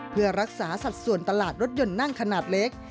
เพื่อรักษาสัดส่วนตลาดรถยนต์นั่งขนาดเล็ก